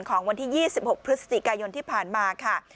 ของวันที่๒๖พฤศจิกายนที่ผ่านมาค่ะ